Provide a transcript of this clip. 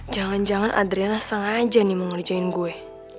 jangan jangan adriana sengaja nih mau ngerjain gue